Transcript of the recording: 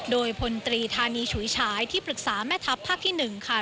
โดยพลตรีธานีฉุยฉายที่ปรึกษาแม่ทัพภาคที่๑ค่ะ